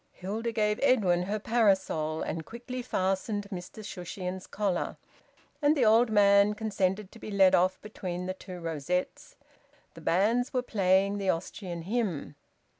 Hilda gave Edwin her parasol and quickly fastened Mr Shushions's collar, and the old man consented to be led off between the two rosettes. The bands were playing the Austrian hymn.